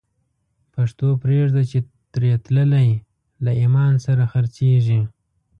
پښتو پریږده چی تری تللی، له ایمان سره خرڅیږی